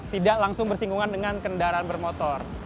tidak langsung bersinggungan dengan kendaraan bermotor